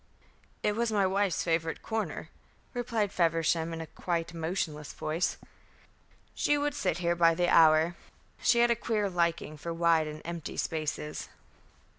"It was my wife's favourite corner," answered Feversham in a quite emotionless voice. "She would sit here by the hour. She had a queer liking for wide and empty spaces."